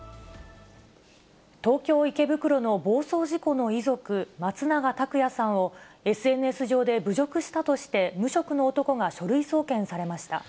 東京・池袋の暴走事故の遺族、松永拓也さんを、ＳＮＳ上で侮辱したとして無職の男が書類送検されました。